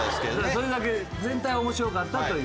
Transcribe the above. それだけ全体面白かったという。